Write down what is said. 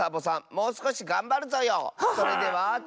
もうすこしがんばるぞよ。ははっ！